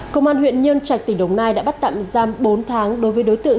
công an huyện nhân trạch tỉnh đồng nai đã bắt tạm giam bốn tháng đối với đối tượng